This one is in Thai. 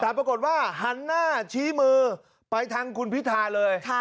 แต่ปรากฏว่าหันหน้าชี้มือไปทางคุณพิธาเลย